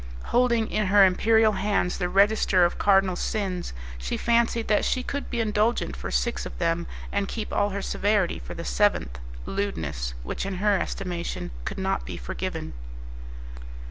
Holding in her imperial hands the register of cardinal sins, she fancied that she could be indulgent for six of them, and keep all her severity for the seventh, lewdness, which in her estimation could not be forgiven.